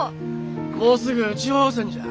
もうすぐ地方予選じゃあ。